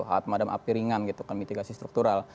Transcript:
hat madam api ringan gitu kan mitigasi struktural